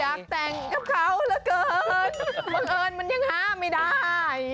อยากแต่งกับเขาเหลือเกินบังเอิญมันยังหาไม่ได้